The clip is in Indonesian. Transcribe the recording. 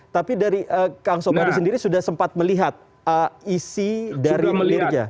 tapi dari kang sobari sendiri sudah sempat melihat isi dari kinerja